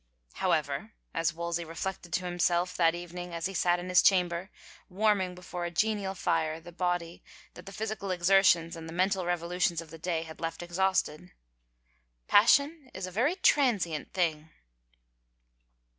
" However," as Wolsey reflected to himself that even ing as he sat in his chamber warming before a genial fire the body that the physical exertions and the mental revolutions of the day had left exhausted, '' passion is a very transient thing."